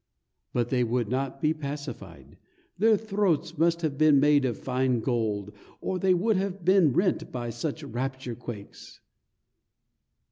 But they would not be pacified. Their throats must have been made of fine gold, or they would have been rent by such rapture quakes.